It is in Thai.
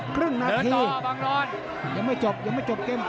เดินต่อบังรอน